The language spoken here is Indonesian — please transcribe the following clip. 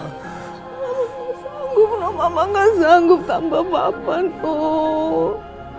nuh mama gak sanggup tambah bapak nuh